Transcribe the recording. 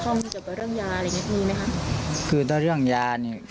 เกี่ยวกับเขามีเกี่ยวกับเรื่องยาอะไรแบบนี้มีไหมครับ